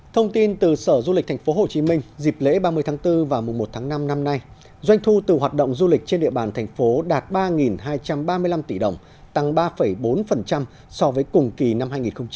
thông tin từ sở du lịch tp hcm dịp lễ ba mươi tháng bốn và mùa một tháng năm năm nay doanh thu từ hoạt động du lịch trên địa bàn thành phố đạt ba hai trăm ba mươi năm tỷ đồng tăng ba bốn so với cùng kỳ năm hai nghìn hai mươi ba